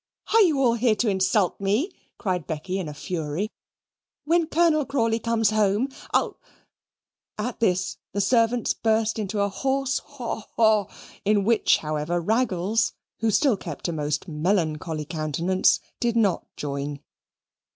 "Are you all here to insult me?" cried Becky in a fury; "when Colonel Crawley comes home I'll " At this the servants burst into a horse haw haw, in which, however, Raggles, who still kept a most melancholy countenance, did not join.